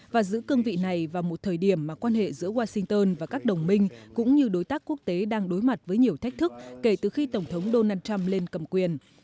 và giữ cương vị này vào một thời điểm mà quan hệ giữa washington và các đồng minh cũng như đối tác quốc tế đang đối mặt với nhiều thách thức kể từ khi tổng thống donald trump lên cầm quyền